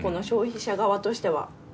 消費者側としては。